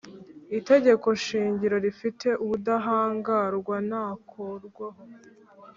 Itegeko shingiro rifite ubudahangarwa ntakorwaho